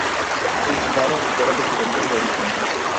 Es raro fuera de su región de origen.